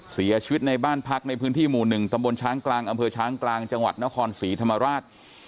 เสียชีวิตในบ้านพักในพื้นที่หมู่๑ตำบลช้างกลางอำเภอช้างกลางจังหวัดนครศรีธรรมราช